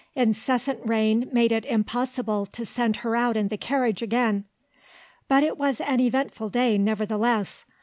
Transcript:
Incessant rain made it impossible to send her out in the carriage again. But it was an eventful day, nevertheless.